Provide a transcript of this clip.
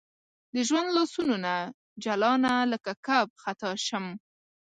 د ژوند لاسونو نه جلانه لکه کب خطا شم